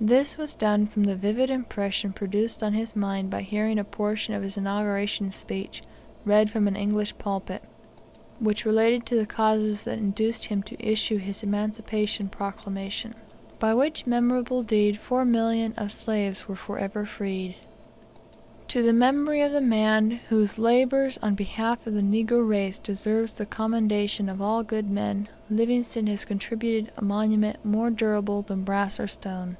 This was done from the vivid impression produced on his mind by hearing a portion of his inauguration speech read from an English pulpit, which related to the causes that induced him to issue his Emancipation Proclamation, by which memorable deed 4,000,000 of slaves were for ever freed. To the memory of the man whose labours on behalf of the negro race deserves the commendation of all good men, Livingstone has contributed a monument more durable than brass or stone.